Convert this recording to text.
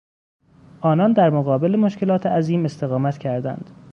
آنان در مقابل مشکلات عظیم استقامت کردند.